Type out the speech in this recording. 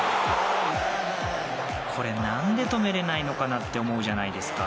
これ、何で止めれないのかなって思うじゃないですか。